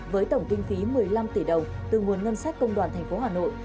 với tổng kinh phí một mươi năm tỷ đồng từ nguồn ngân sách công đoàn tp hà nội